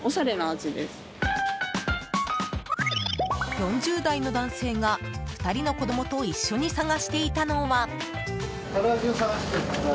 ４０代の男性が、２人の子供と一緒に探していたのは。